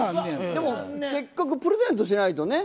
せっかくプレゼントしないとね。